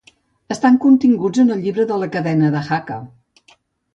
Estan continguts en el Llibre de la Cadena de Jaca.